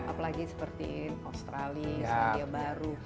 apalagi seperti australia baru